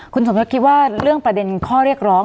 คุณสมยศคิดว่าเรื่องประเด็นข้อเรียกร้อง